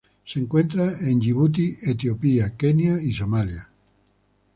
Se encuentra en Yibuti Etiopía, Kenia y Somalia.